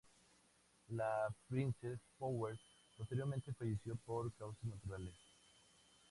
La Princess Power posteriormente falleció por causas naturales.